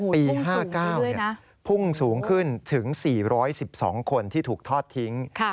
ปี๕๙พุ่งสูงขึ้นถึง๔๑๒คนที่ถูกทอดทิ้ง